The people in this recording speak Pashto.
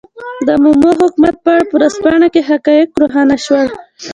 د مومو حکومت په اړه په ورځپاڼه کې حقایق روښانه شول.